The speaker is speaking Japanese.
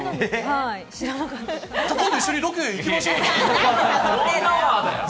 今度一緒にロケ行きましょう。